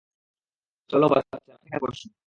চলো বাচ্চারা, এখানে বসো।